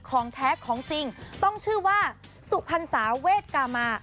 ของแท้ของจริงต้องชื่อว่าสุพรรษาเวทกามา